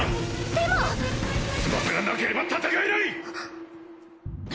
でも翼がなければ戦えない！